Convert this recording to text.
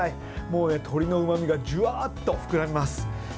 もう、鶏のうまみがジュワッと膨らみます。